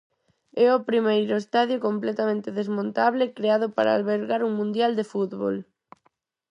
É o primeiro estadio completamente desmontable creado para albergar un mundial de fútbol.